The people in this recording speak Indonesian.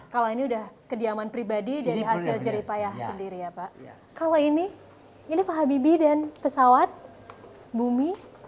kalau ini ini pak habibie dan pesawat bumi